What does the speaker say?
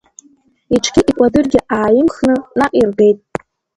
Иҽгьы икәадыргьы ааимхны наҟ иргеит.